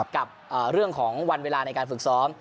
กับเรื่องของวันเวลาในการฝึกซ้อม